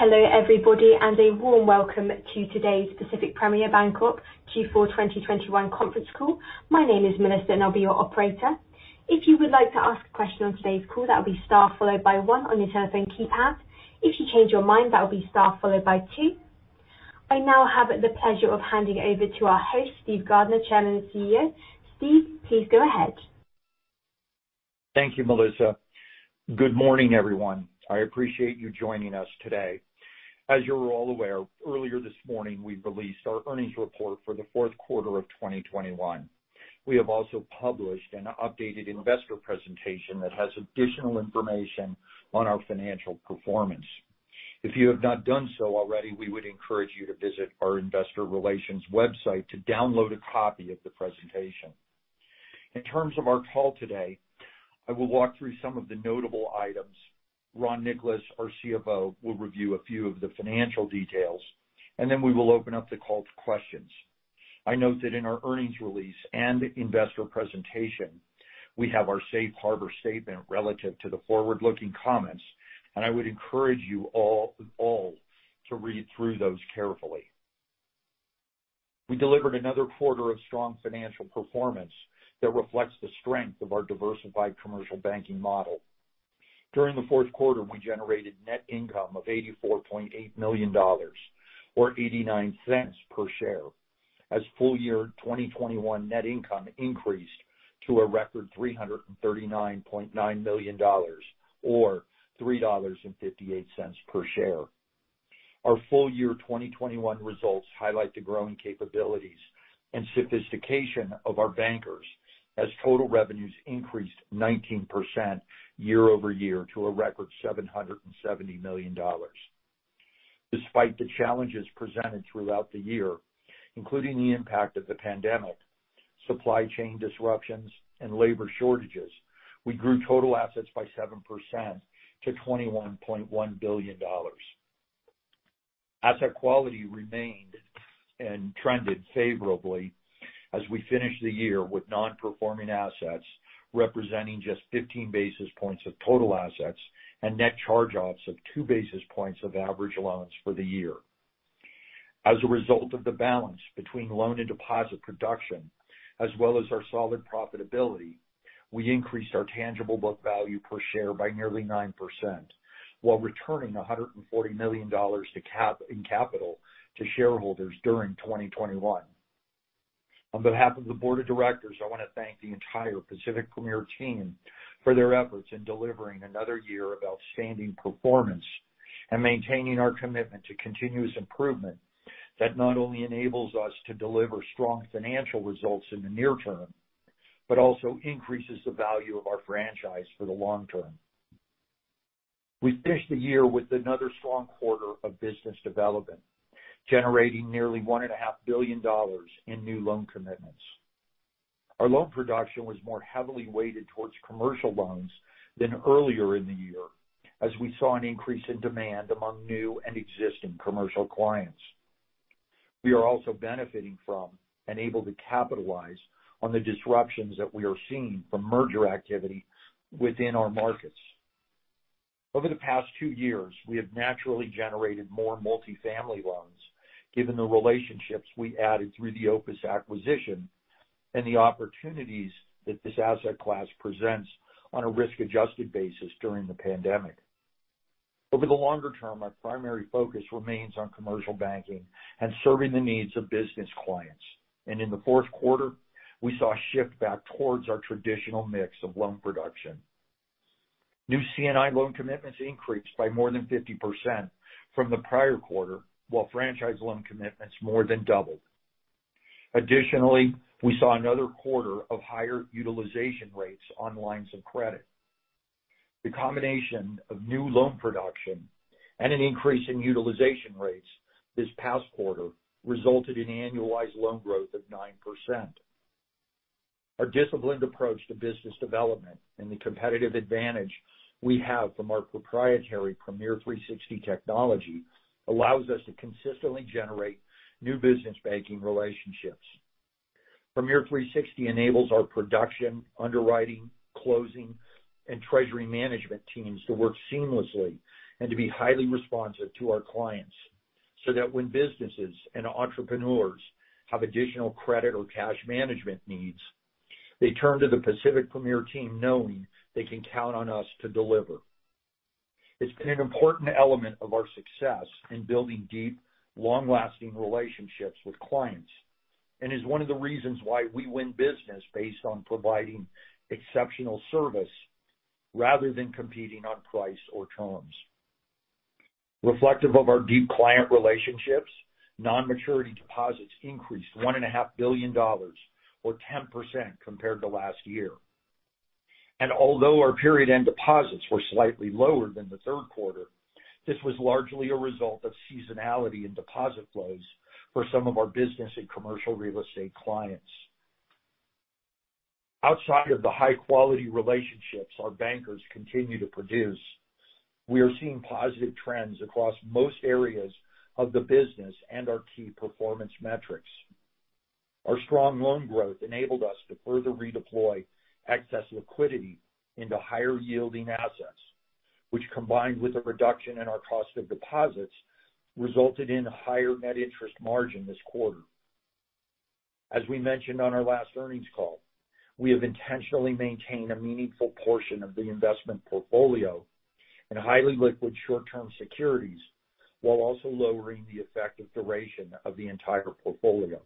Hello everybody and a warm welcome to today's Pacific Premier Bancorp Q4 2021 Conference Call. My name is Melissa, and I'll be your operator. If you would like to ask a question on today's call, that'll be star followed by one on your telephone keypad. If you change your mind, that'll be star followed by two. I now have the pleasure of handing over to our host Steve Gardner, Chairman and CEO. Steve please go ahead. Thank you Melissa good morning, everyone. I appreciate you joining us today. As you're all aware, earlier this morning, we released our earnings report for the fourth quarter of 2021. We have also published an updated investor presentation that has additional information on our financial performance. If you have not done so already, we would encourage you to visit our investor relations website to download a copy of the presentation. In terms of our call today, I will walk through some of the notable items. Ron Nicolas, our CFO, will review a few of the financial details, and then we will open up the call for questions. I note that in our earnings release and investor presentation, we have our safe harbor statement relative to the forward-looking comments, and I would encourage you all to read through those carefully. We delivered another quarter of strong financial performance that reflects the strength of our diversified commercial banking model. During the fourth quarter, we generated net income of $84.8 million or $0.89 per share as full year 2021 net income increased to a record $339.9 million or $3.58 per share. Our full year 2021 results highlight the growing capabilities, and sophistication of our bankers as total revenues increased 19% year-over-year to a record $770 million. Despite the challenges presented throughout the year, including the impact of the pandemic, supply chain disruptions, and labor shortages, we grew total assets by 7% to $21.1 billion. Asset quality remained and trended favorably as we finish the year with non-performing assets representing just 15 basis points of total assets, and net charge-offs of 2 basis points of average loans for the year. As a result of the balance between loan, and deposit production, as well as our solid profitability, we increased our Tangible Book Value per share by nearly 9% while returning $140 million in capital to shareholders during 2021. On behalf of the board of directors, I wanna thank the entire Pacific Premier team for their efforts in delivering another year of outstanding performance, and maintaining our commitment to continuous improvement that not only enables us to deliver strong financial results in the near term but also increases the value of our franchise for the long term. We finished the year with another strong quarter of business development, generating nearly $1.5 billion in new loan commitments. Our loan production was more heavily weighted towards commercial loans than earlier in the year, as we saw an increase in demand among new and existing commercial clients. We are also benefiting from, and able to capitalize on the disruptions that we are seeing from merger activity within our markets. Over the past two years, we have naturally generated more multi-family loans given the relationships we added through the Opus acquisition, and the opportunities that this asset class presents on a risk-adjusted basis during the pandemic. Over the longer term, our primary focus remains on commercial banking and serving the needs of business clients. In the fourth quarter, we saw a shift back towards our traditional mix of loan production. New C&I loan commitments increased by more than 50% from the prior quarter, while franchise loan commitments more than doubled. Additionally, we saw another quarter of higher utilization rates on lines of credit. The combination of new loan production and an increase in utilization rates this past quarter resulted in annualized loan growth of 9%. Our disciplined approach to business development and the competitive advantage we have from our proprietary Premier 360 technology allows us to consistently generate new business banking relationships. Premier 360 enables our production, underwriting, closing, and treasury management teams to work seamlessly. And to be highly responsive to our clients so that when businesses, and entrepreneurs have additional credit or cash management needs, they turn to the Pacific Premier team knowing they can count on us to deliver. It's been an important element of our success in building deep, long-lasting relationships with clients. And is one of the reasons why we win business based on providing exceptional service rather than competing on price or terms. Reflective of our deep client relationships, non-maturity deposits increased $1.5 billion or 10% compared to last year. Although our period-end deposits were slightly lower than the third quarter, this was largely a result of seasonality in deposit flows for some of our business, and commercial real estate clients. Outside of the high-quality relationships our bankers continue to produce, we are seeing positive trends across most areas of the business, and our key performance metrics. Our strong loan growth enabled us to further redeploy excess liquidity into higher yielding assets. Which combined with a reduction in our cost of deposits, resulted in a higher net interest margin this quarter. As we mentioned on our last earnings call, we have intentionally maintained a meaningful portion of the investment portfolio. In highly liquid short-term securities while also lowering the effective duration of the entire portfolio.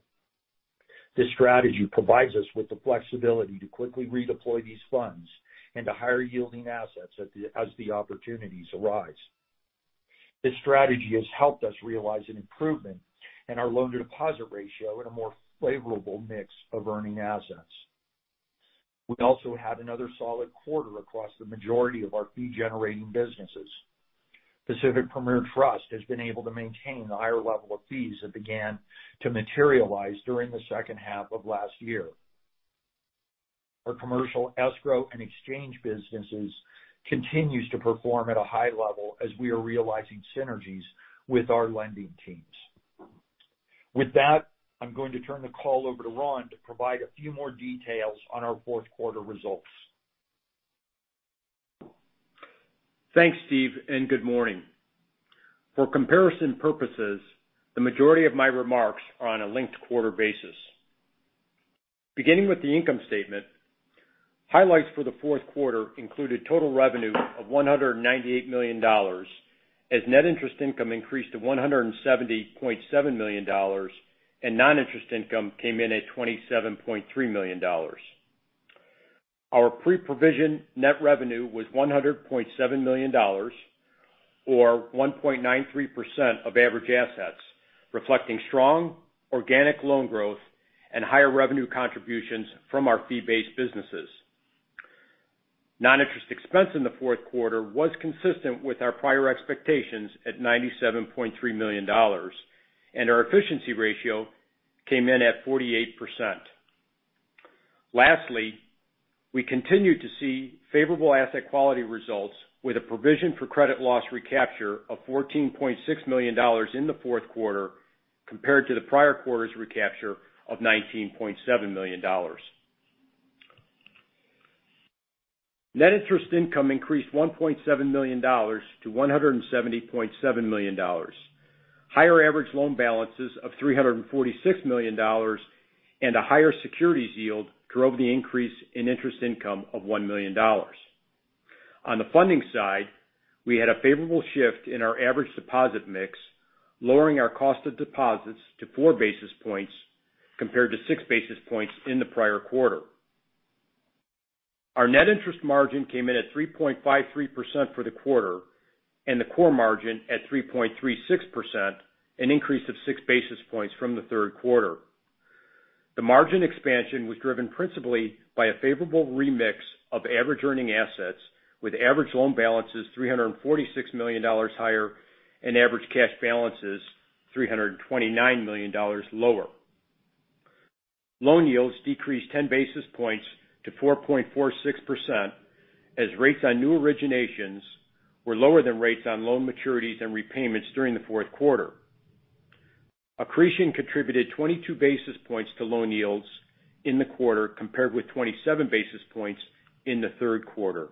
This strategy provides us with the flexibility to quickly redeploy these funds into higher yielding assets as the opportunities arise. This strategy has helped us realize an improvement in our loan-to-deposit ratio, and a more favorable mix of earning assets. We also had another solid quarter across the majority of our fee-generating businesses. Pacific Premier Trust has been able to maintain the higher level of fees that began to materialize during the second half of last year. Our Commercial Escrow and exchange businesses continues to perform at a high level as we are realizing synergies with our lending teams. With that, I'm going to turn the call over to Ron to provide a few more details on our fourth quarter results. Thanks Steve, and good morning. For comparison purposes, the majority of my remarks are on a linked quarter basis. Beginning with the income statement, highlights for the fourth quarter included total revenue of $198 million, as net interest income increased to $170.7 million, and non-interest income came in at $27.3 million. Our Pre-Provision Net Revenue was $100.7 million or 1.93% of average assets, reflecting strong organic loan growth and higher revenue contributions from our fee-based businesses. Non-interest expense in the fourth quarter was consistent with our prior expectations at $97.3 million, and our efficiency ratio came in at 48%. Lastly, we continued to see favorable asset quality results with a provision for credit loss recapture of $14.6 million in the fourth quarter compared to the prior quarter's recapture of $19.7 million. Net Interest Income increased $1.7 million-$170.7 million. Higher average loan balances of $346 million and a higher securities yield drove the increase in interest income of $1 million. On the funding side, we had a favorable shift in our average deposit mix, lowering our cost of deposits to 4 basis points compared to 6 basis points in the prior quarter. Our Net Interest Margin came in at 3.53% for the quarter, and the core margin at 3.36%, an increase of 6 basis points from the third quarter. The margin expansion was driven principally by a favorable remix of average earning assets with average loan balances $346 million higher, and average cash balances $329 million lower. Loan yields decreased 10 basis points to 4.46% as rates on new originations were lower than rates on loan maturities and repayments during the fourth quarter. Accretion contributed 22 basis points to loan yields in the quarter, compared with 27 basis points in the third quarter.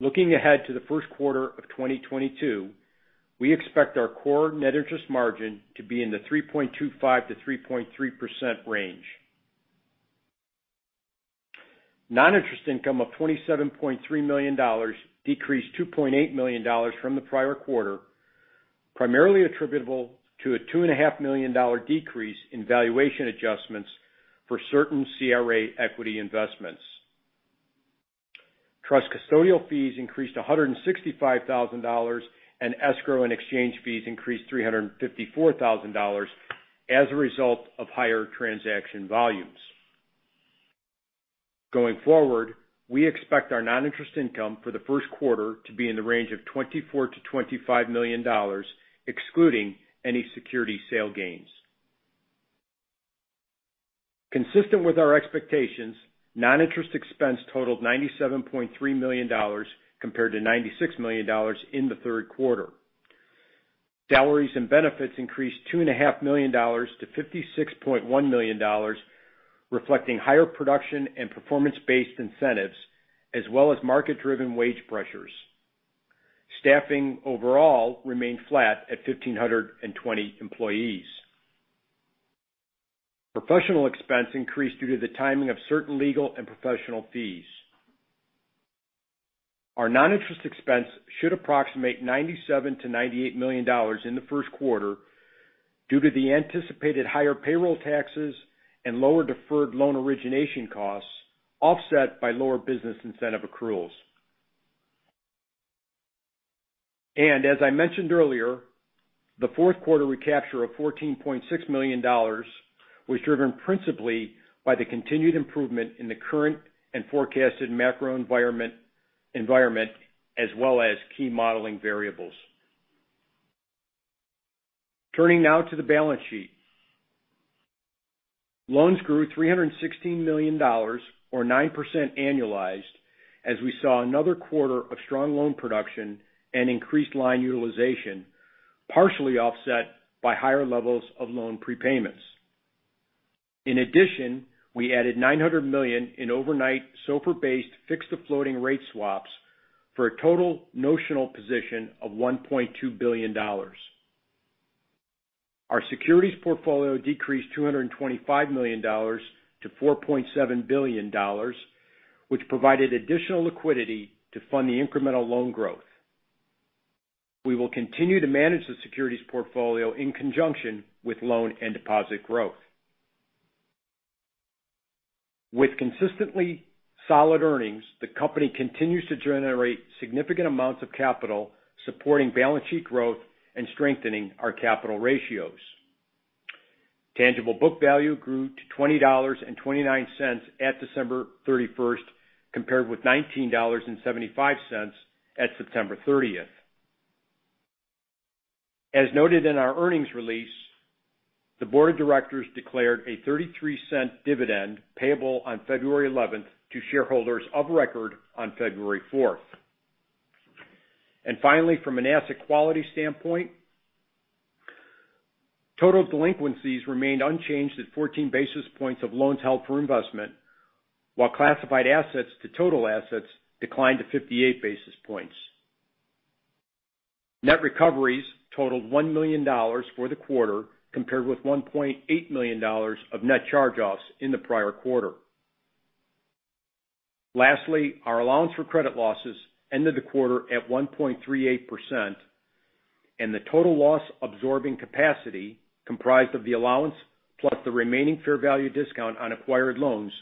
Looking ahead to the first quarter of 2022, we expect our core Net Interest Margin to be in the 3.25%-3.3% range. Non-interest income of $27.3 million decreased $2.8 million from the prior quarter, primarily attributable to a $2.5 million decrease in valuation adjustments for certain CRA equity investments. Trust custodial fees increased $165,000, and Escrow and Exchange Fees increased $354,000 as a result of higher transaction volumes. Going forward, we expect our non-interest income for the first quarter to be in the range of $24 million-$25 million, excluding any security sale gains. Consistent with our expectations, non-interest expense totaled $97.3 million compared to $96 million in the third quarter. Salaries and benefits increased $2.5 million-$56.1 million, reflecting higher production and performance-based incentives as well as market-driven wage pressures. Staffing overall remained flat at 1,520 employees. Professional expense increased due to the timing of certain legal and professional fees. Our non-interest expense should approximate $97 million-$98 million in the first quarter due to the anticipated higher payroll taxes and lower deferred loan origination costs, offset by lower business incentive accruals. As I mentioned earlier, the fourth quarter recapture of $14.6 million was driven principally by the continued improvement in the current and forecasted macro environment as well as key modeling variables. Turning now to the balance sheet. Loans grew $316 million or 9% annualized as we saw another quarter of strong loan production and increased line utilization, partially offset by higher levels of loan prepayments. In addition, we added $900 million in overnight SOFR-based fixed to floating rate swaps for a total notional position of $1.2 billion. Our securities portfolio decreased $225 million-$4.7 billion, which provided additional liquidity to fund the incremental loan growth. We will continue to manage the securities portfolio in conjunction with loan and deposit growth. With consistently solid earnings, the company continues to generate significant amounts of capital supporting balance sheet growth and strengthening our capital ratios. Tangible Book Value grew to $20.29 at December 31, compared with $19.75 at September 30. As noted in our earnings release, the board of directors declared a $0.33 dividend payable on February 11 to shareholders of record on February 4. Finally, from an asset quality standpoint, total delinquencies remained unchanged at 14 basis points of loans held for investment, while classified assets to total assets declined to 58 basis points. Net recoveries totaled $1 million for the quarter, compared with $1.8 million of net charge-offs in the prior quarter. Lastly, our allowance for credit losses ended the quarter at 1.38%, and the total loss absorbing capacity comprised of the allowance plus the remaining fair value discount on acquired loans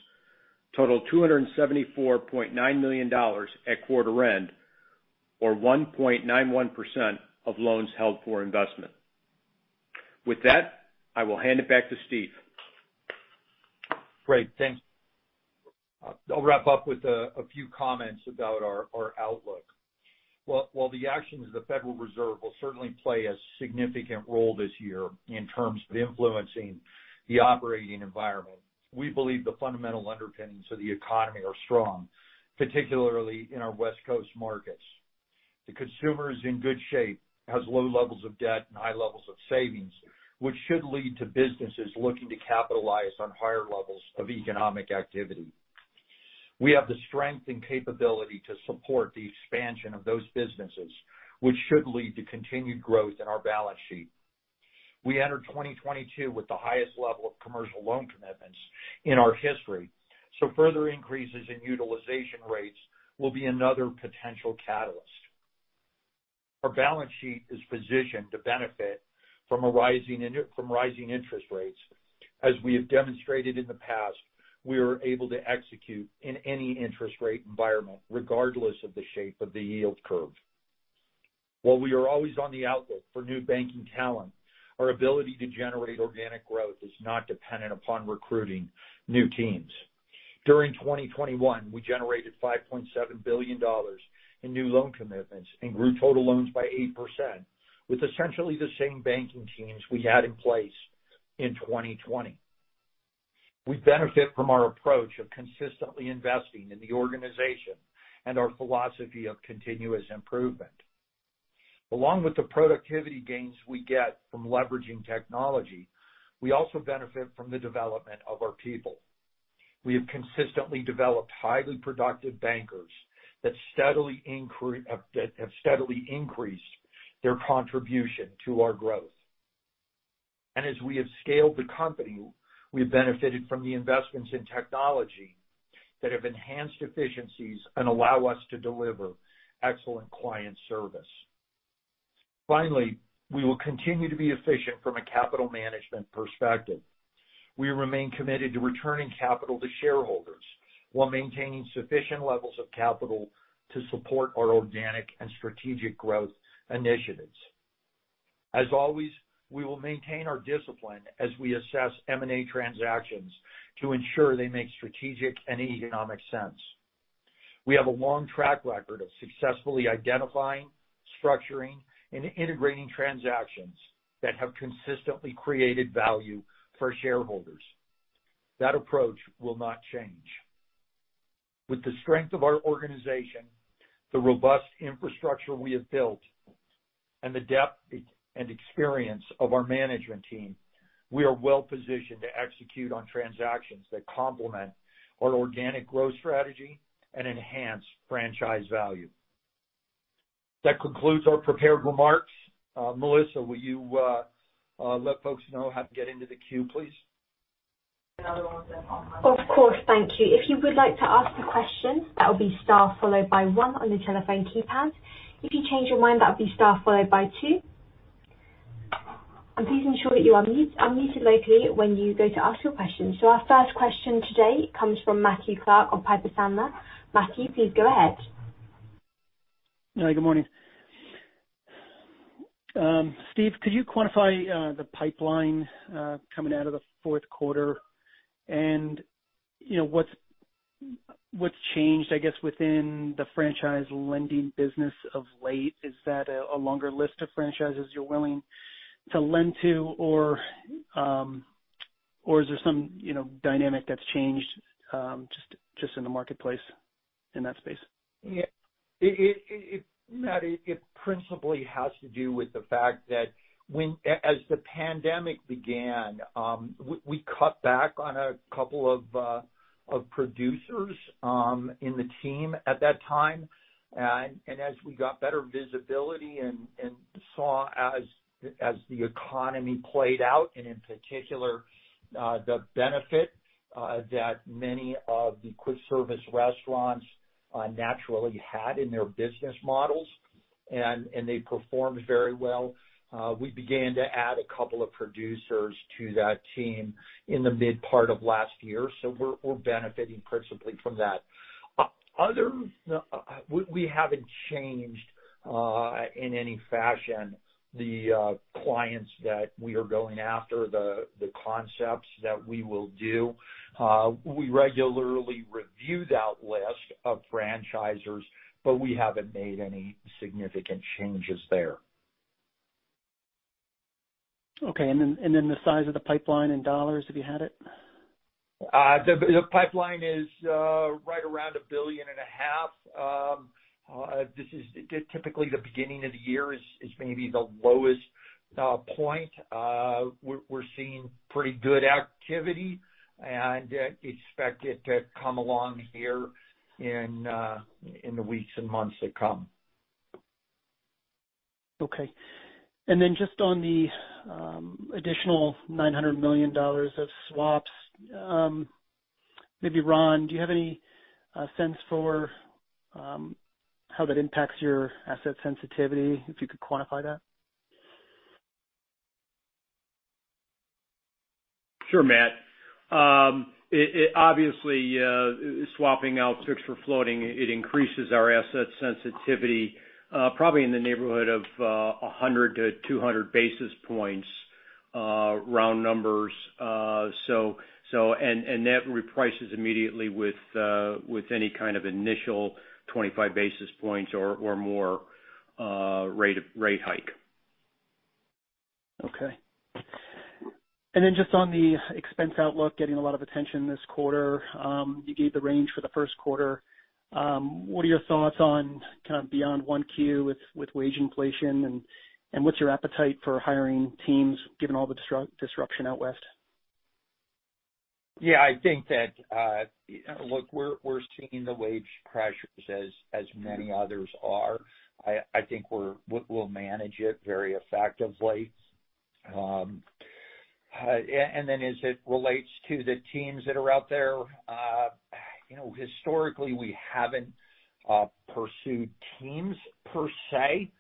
totaled $274.9 million at quarter end or 1.91% of loans held for investment. With that, I will hand it back to Steve. Great thanks, I'll wrap up with a few comments about our outlook. While the actions of the Federal Reserve will certainly play a significant role this year in terms of influencing the operating environment, we believe the fundamental underpinnings of the economy are strong, particularly in our West Coast markets. The consumer is in good shape, has low levels of debt and high levels of savings, which should lead to businesses looking to capitalize on higher levels of economic activity. We have the strength and capability to support the expansion of those businesses, which should lead to continued growth in our balance sheet. We entered 2022 with the highest level of commercial loan commitments in our history, so further increases in utilization rates will be another potential catalyst. Our balance sheet is positioned to benefit from rising interest rates. As we have demonstrated in the past, we are able to execute in any interest rate environment regardless of the shape of the yield curve. While we are always on the outlook for new banking talent, our ability to generate organic growth is not dependent upon recruiting new teams. During 2021, we generated $5.7 billion in new loan commitments and grew total loans by 8% with essentially the same banking teams we had in place in 2020. We benefit from our approach of consistently investing in the organization and our philosophy of continuous improvement. Along with the productivity gains we get from leveraging technology, we also benefit from the development of our people. We have consistently developed highly productive bankers that steadily increased their contribution to our growth. As we have scaled the company, we've benefited from the investments in technology that have enhanced efficiencies and allow us to deliver excellent client service. Finally, we will continue to be efficient from a capital management perspective. We remain committed to returning capital to shareholders while maintaining sufficient levels of capital to support our organic and strategic growth initiatives. As always, we will maintain our discipline as we assess M&A transactions to ensure they make strategic and economic sense. We have a long track record of successfully identifying, structuring, and integrating transactions that have consistently created value for shareholders. That approach will not change. With the strength of our organization, the robust infrastructure we have built, and the depth and experience of our management team, we are well-positioned to execute on transactions that complement our organic growth strategy and enhance franchise value. That concludes our prepared remarks. Melissa, will you let folks know how to get into the queue, please? Of course, thank you, if you would like to ask a question, that will be star followed by one on your telephone keypad. If you change your mind, that'll be star followed by two. And please ensure that you are mute, unmuted locally when you go to ask your question. Our first question today comes from Matthew Clark of Piper Sandler. Matthew, please go ahead. Hi, good morning, Steve could you quantify the pipeline coming out of the fourth quarter and, you know, what's. What's changed, I guess, within the franchise lending business of late, is that a longer list of franchises you're willing to lend to? Or, is there some, you know, dynamic that's changed, just in the marketplace in that space? Yeah, it principally has to do with the fact that when, as the pandemic began, we cut back on a couple of producers in the team at that time. As we got better visibility and saw, as the economy played out, and in particular the benefit that many of the Quick Service Restaurants naturally had in their business models, and they performed very well, we began to add a couple of producers to that team in the mid part of last year. We're benefiting principally from that. Other, we haven't changed in any fashion the clients that we are going after, the concepts that we will do. We regularly review that list of franchisors, but we haven't made any significant changes there. Okay, the size of the pipeline in dollars, if you had it? The pipeline is right around $1.5 billion. This is typically the beginning of the year is maybe the lowest point. We're seeing pretty good activity and expect it to come along here in the weeks and months to come. Okay, just on the additional $900 million of swaps, maybe Ron, do you have any sense for how that impacts your asset sensitivity, if you could quantify that? Sure, Matt it obviously swapping out fixed for floating, it increases our asset sensitivity probably in the neighborhood of 100 basis points-200 basis points, round numbers. That reprices immediately with any kind of initial 25 basis points or more rate hike. Okay, then just on the expense outlook getting a lot of attention this quarter, you gave the range for the first quarter. What are your thoughts on kind of beyond Q1 with wage inflation and what's your appetite for hiring teams given all the disruption out west? Yeah, I think that look, we're seeing the wage pressures as many others are. I think we'll manage it very effectively. Then as it relates to the teams that are out there, you know, historically, we haven't pursued teams per se.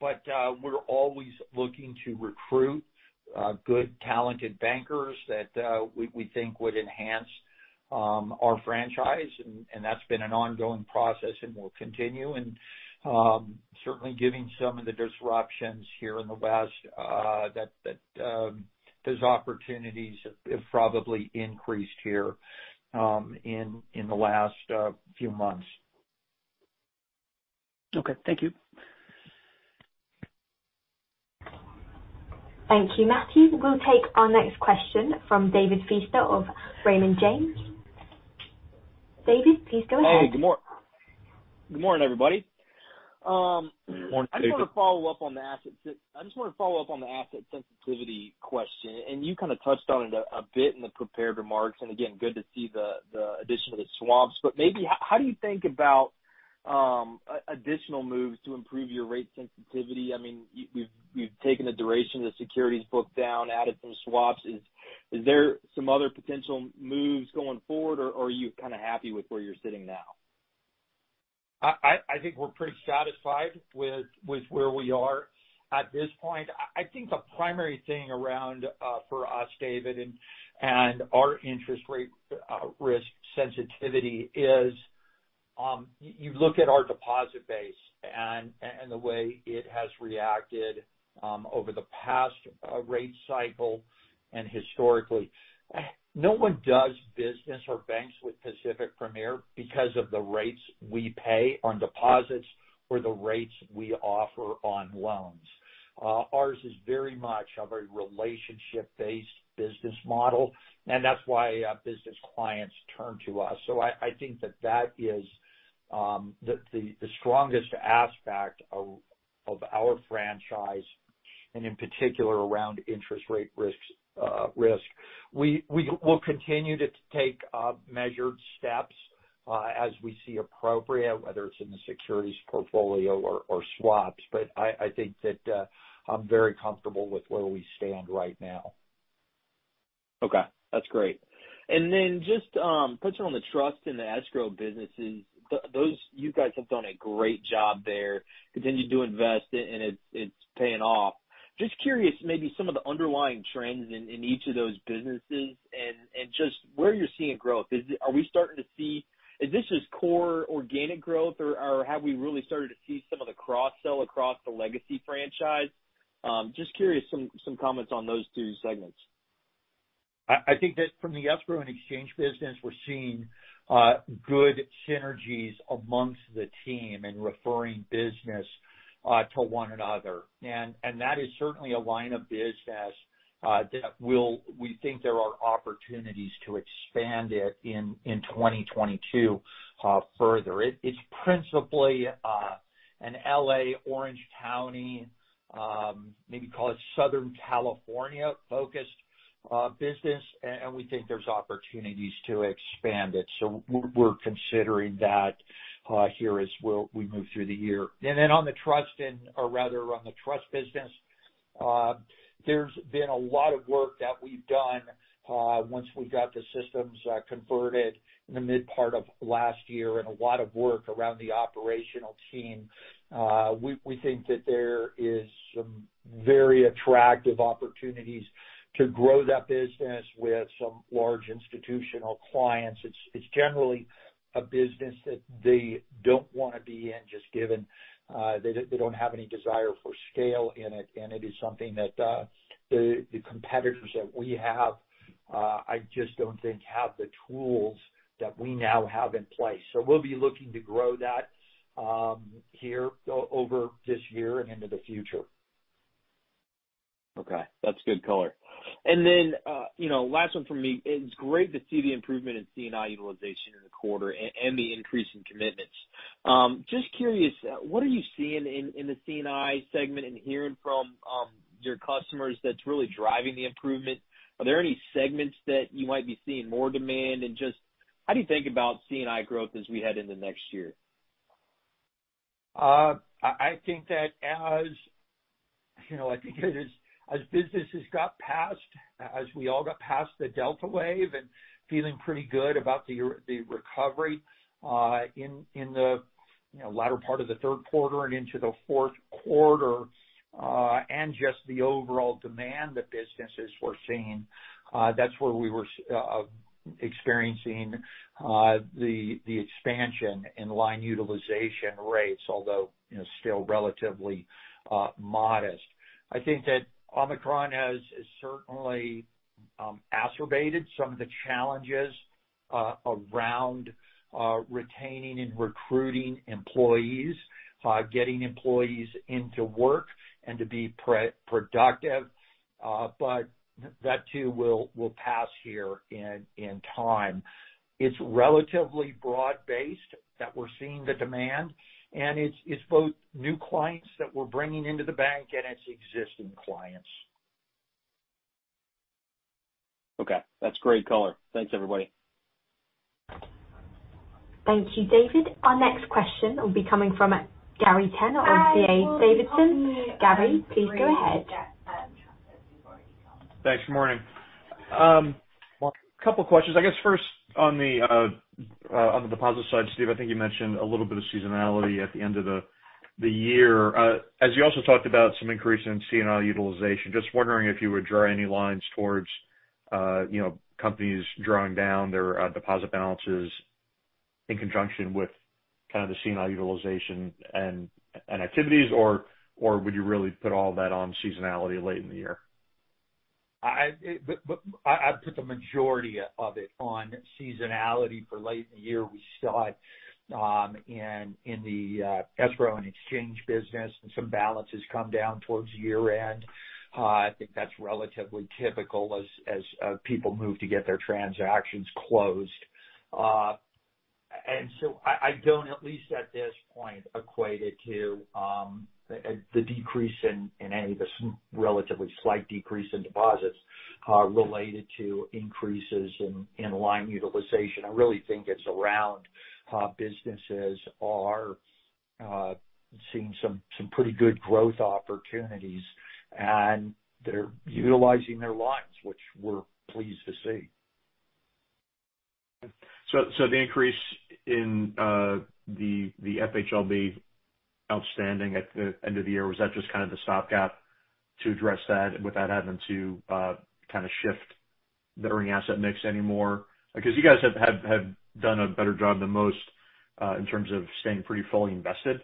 We're always looking to recruit good talented bankers that we think would enhance our franchise. That's been an ongoing process, and we'll continue. Certainly, given some of the disruptions here in the West, those opportunities have probably increased here in the last few months. Okay, thank you. Thank you, Matthew. We'll take our next question from David Feaster of Raymond James. David, please go ahead. Oh, good morning, everybody. Morning, David. I just wanna follow up on the asset sensitivity question, and you kind of touched on it a bit in the prepared remarks. Again, good to see the addition of the swaps. Maybe how do you think about additional moves to improve your rate sensitivity? I mean, we've taken the duration of the securities book down, added some swaps. Is there some other potential moves going forward, or are you kind of happy with where you're sitting now? I think we're pretty satisfied with where we are at this point. I think the primary thing around for us, David, and our interest rate risk sensitivity is you look at our deposit base, and the way it has reacted over the past rate cycle and historically. No one does business or banks with Pacific Premier because of the rates we pay on deposits or the rates we offer on loans. Ours is very much a Relationship-Based Business Model, and that's why our business clients turn to us. I think that is the strongest aspect of our franchise and in particular around interest rate risk. We will continue to take measured steps as we see appropriate, whether it's in the securities portfolio or swaps. I think that I'm very comfortable with where we stand right now. Okay, that's great. Just touching on the trust and the Escrow Businesses, those you guys have done a great job there, continued to invest and it's paying off. Just curious, maybe some of the underlying trends in each of those businesses and just where you're seeing growth. Are we starting to see? Is this just core organic growth or have we really started to see some of the cross-sell across the legacy franchise? Just curious, some comments on those two segments. I think that from the Escrow and Exchange Business; we're seeing good synergies amongst the team in referring business to one another. That is certainly a line of business that we think there are opportunities to expand it in 2022 further. It's principally an L.A., Orange County, maybe call it Southern California-focused business. We think there's opportunities to expand it. We're considering that here as we move through the year. Then on the Trust end, or rather on the Trust Business, there's been a lot of work that we've done once we got the systems converted in the mid part of last year and a lot of work around the operational team. We think that there is some very attractive opportunities to grow that business with some large institutional clients. It's generally a business that they don't wanna be in, just given they don't have any desire for scale in it, and it is something that the competitors that we have I just don't think have the tools that we now have in place. We'll be looking to grow that here over this year and into the future. Okay, that's good color. You know, last one from me. It's great to see the improvement in C&I utilization in the quarter and the increase in commitments. Just curious, what are you seeing in the C&I segment and hearing from your customers that's really driving the improvement? Are there any segments that you might be seeing more demand? Just how do you think about C&I growth as we head into next year? I think that as businesses got past, as we all got past the Delta Wave, and feeling pretty good about the recovery. In the latter part of the third quarter and into the fourth quarter, and just the overall demand that businesses were seeing, that's where we were experiencing the expansion in line utilization rates. Although, you know, still relatively modest. I think that Omicron has certainly exacerbated some of the challenges around retaining and recruiting employees. Getting employees in to work and to be productive. But that too will pass here in time. It's relatively broad-based that we're seeing the demand, and it's both new clients that we're bringing into the bank and existing clients. Okay, that's great color thanks, everybody. Thank you, David. Our next question will be coming from Gary Tenner of D.A. Davidson. Gary, please go ahead. Thanks, good morning couple questions. I guess first on the deposit side, Steve, I think you mentioned a little bit of seasonality at the end of the year. As you also talked about some increase in C&I utilization, just wondering if you would draw any lines towards, you know, companies drawing down their deposit balances in conjunction with kind of the C&I utilization and activities, or would you really put all that on seasonality late in the year? I'd put the majority of it on seasonality for late in the year. We saw it in the Escrow and Exchange Business, and some balances come down towards year end. I think that's relatively typical as people move to get their transactions closed. I don't, at least at this point, equate it to the relatively slight decrease in deposits related to increases in line utilization. I really think it's around businesses are seeing some pretty good growth opportunities, and they're utilizing their lines, which we're pleased to see. The increase in the FHLB outstanding at the end of the year, was that just kind of the stopgap to address that without having to kind of shift the earning asset mix anymore? Because you guys have done a better job than most in terms of staying pretty fully invested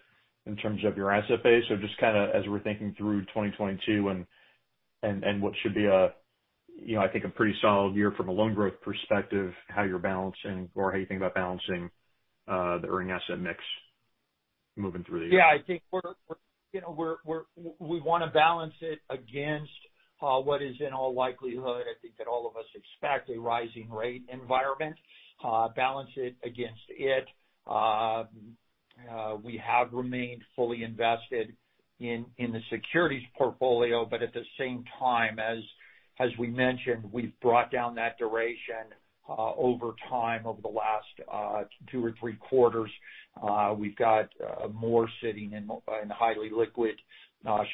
in terms of your asset base. Just kinda as we're thinking through 2022 and what should be a, you know, I think a pretty solid year from a loan growth perspective, how you're balancing or how you think about balancing the earning asset mix moving through the year. Yeah, I think we're, you know, we wanna balance it against what is in all likelihood, I think that all of us expect a rising rate environment. Balance it against it. We have remained fully invested in the securities portfolio, but at the same time, as we mentioned, we've brought down that duration over time over the last two or three quarters. We've got more sitting in highly liquid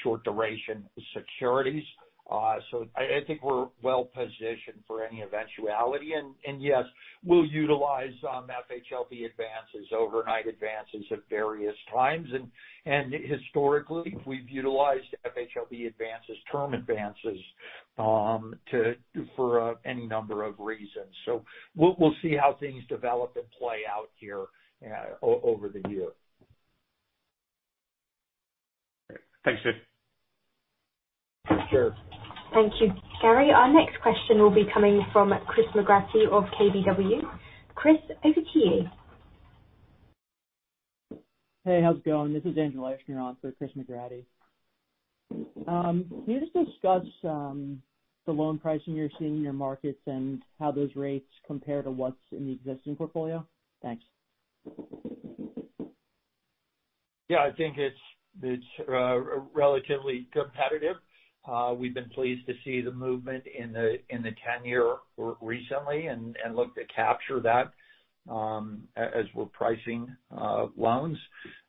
short duration securities. So, I think we're well positioned for any eventuality. Yes, we'll utilize FHLB advances, overnight advances at various times. Historically, we've utilized FHLB advances, term advances for any number of reasons. We'll see how things develop and play out here over the year. Thanks, Steve. Sure. Thank you, Gary. Our next question will be coming from Chris McGratty of KBW. Chris, over to you. Hey, how's it going? This is Angela she announced for Chris McGratty. Can you just discuss the loan pricing you're seeing in your markets, and how those rates compare to what's in the existing portfolio? Thanks. Yeah, I think it's relatively competitive. We've been pleased to see the movement in the 10-year recently and look to capture that as we're pricing loans.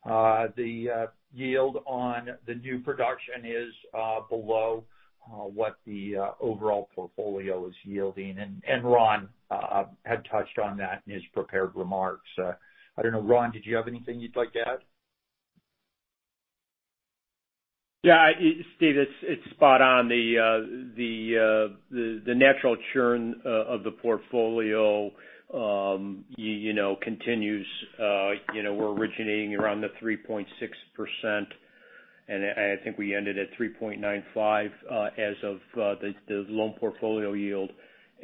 The yield on the new production is below what the overall portfolio is yielding. Ron had touched on that in his prepared remarks. I don't know. Ron, did you have anything you'd like to add? Yeah, Steve, it's spot on the natural churn of the portfolio, you know, continues. You know, we're originating around the 3.6%, and I think we ended at 3.95%, as of the loan portfolio yield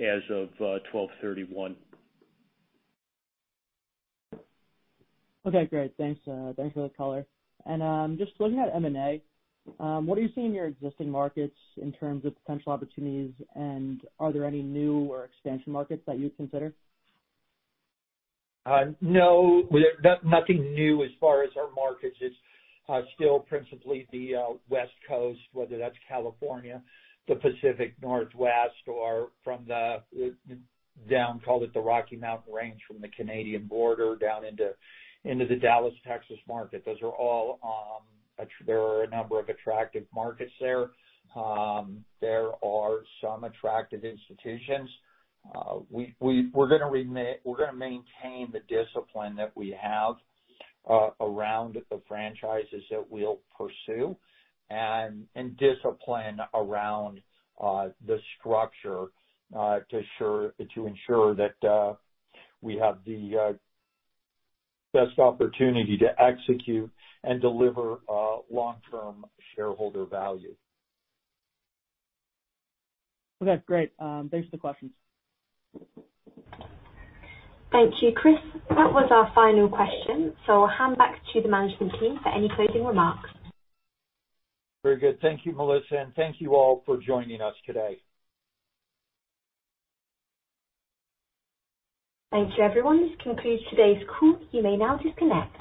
as of 12/31. Okay, great thanks. Thanks for the color, just looking at M&A, what are you seeing in your existing markets in terms of potential opportunities? Are there any new or expansion markets that you'd consider? No, nothing new as far as our markets. It's still principally the West Coast, whether that's California, the Pacific Northwest, or down, call it, the Rocky Mountain range from the Canadian border down into the Dallas, Texas market. Those are all. There are a number of attractive markets there. There are some attractive institutions. We're gonna maintain the discipline that we have around the franchises that we'll pursue, and discipline around the structure to ensure that we have the best opportunity to execute, and deliver long-term shareholder value. Okay, great thanks for the questions. Thank you, Chris. That was our final question, so I'll hand back to the management team for any closing remarks. Very good thank you, Melissa, and thank you all for joining us today. Thank you, everyone. This concludes today's call. You may now disconnect.